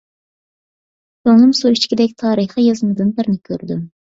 كۆڭلۈم سۇ ئىچكۈدەك تارىخىي يازمىدىن بىرنى كۆردۈم.